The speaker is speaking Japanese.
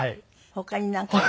他になんかある？